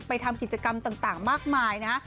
ทำกิจกรรมต่างมากมายนะฮะ